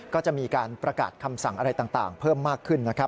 ก็จะมีการประกาศคำสั่งอะไรต่างเพิ่มมากขึ้นนะครับ